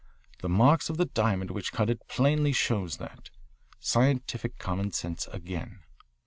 The marks of the diamond which cut it plainly show that. Scientific common sense again."